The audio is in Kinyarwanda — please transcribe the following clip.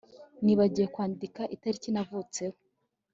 Nibagiwe kwandika itariki navutseho